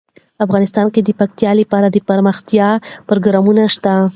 افغانستان کې د پکتیکا لپاره دپرمختیا پروګرامونه شته.